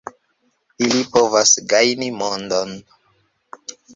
Ili povas gajni mondon.